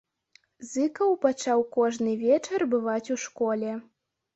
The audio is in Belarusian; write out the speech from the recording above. Зыкаў пачаў кожны вечар бываць у школе.